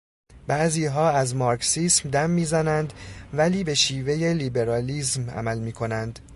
بعضی ها از مارکسیسم دم میزنند ولی به شیوهٔ لیبرالیسم عمل میکنند.